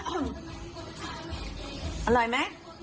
อร่อยไหม